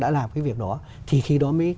đã làm cái việc đó thì khi đó mới